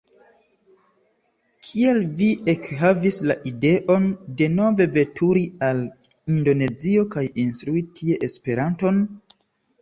Kiel vi ekhavis la ideon denove veturi al Indonezio kaj instrui tie Esperanton?